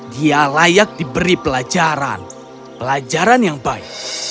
dia layak diberi pelajaran pelajaran yang baik